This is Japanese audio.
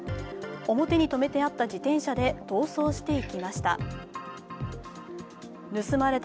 表に止めてあった自転車で逃走していきました。